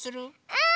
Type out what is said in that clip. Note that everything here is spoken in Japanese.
うん！